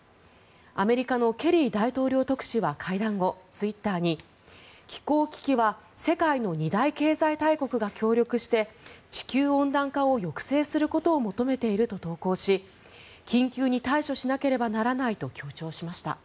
アメリカのケリー大統領特使は会談後、ツイッターに気候危機は世界の２大経済大国が協力して地球温暖化を抑制することを求めていると投稿し緊急に対処しなければならないと強調しました。